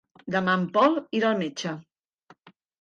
Demà en Pol irà al metge.